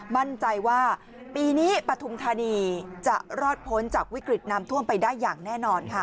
มั่นใจว่าปีนี้ปฐุมธานีจะรอดพ้นจากวิกฤตน้ำท่วมไปได้อย่างแน่นอนค่ะ